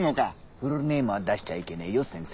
⁉フルネームは出しちゃあいけねーよセンセ。